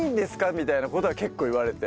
みたいな事は結構言われて。